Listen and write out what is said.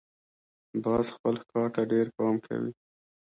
باز خپل ښکار ته ډېر پام کوي